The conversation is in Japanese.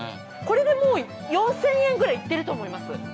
これでもう４，０００円ぐらいいってると思います。